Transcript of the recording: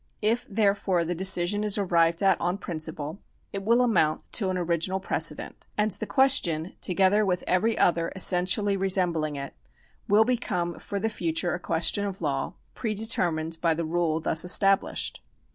If, therefore, the decision is arrived at on principle, it will amount to an original prece dent, and the question, together with every other essentially resembling it, will become for the future a question of law, predetermined by the rule thus established.